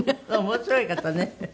面白い方ね。